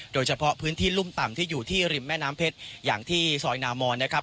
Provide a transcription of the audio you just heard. โดยเฉพาะพื้นที่รุ่มต่ำที่อยู่ที่ริมแม่น้ำเพชรอย่างที่ซอยนามอนนะครับ